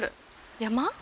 山？